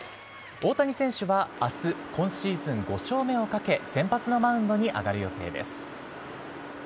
大谷選手はあす、今シーズン５勝目をかけ、先発のマウンドに上がる予定です。